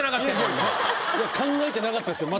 考えてなかったですよ